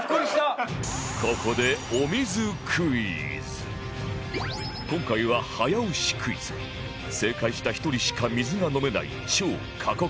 ここで今回は早押しクイズ正解した１人しか水が飲めない超過酷ルール